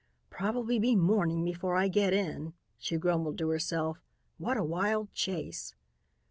"Probably be morning before I get in," she grumbled to herself. "What a wild chase!"